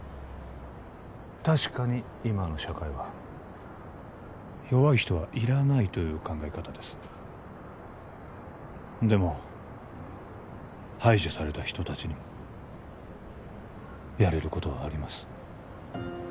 確かに今の社会は弱い人はいらないという考え方ですでも排除された人たちにもやれることはあります